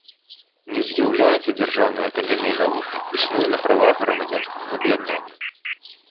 Не з'яўляецца дзяржаўнай акадэміяй навук, існуе на правах грамадскага аб'яднання.